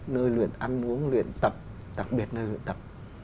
nơi luyện ăn uống luyện tập đặc biệt nơi luyện tập